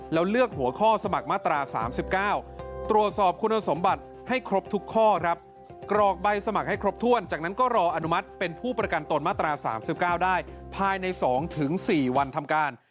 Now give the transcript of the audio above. แล้วเลือกหัวข้อสมัครมาตรา๓๙ตรวจสอบคุณสมบัติให้ครบทุกข้อครับกรอกใบสมัครให้ครบถ้วนจากนั้นก็รออนุมัติเป็นผู้ประกันตนมาตรา๓๙ได้ภายใน๒๔วันทำการ